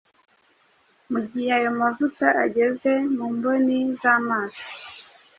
mu gihe ayo mavuta ageze mu mboni z’amaso.